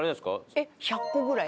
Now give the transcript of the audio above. えっ１００個ぐらい。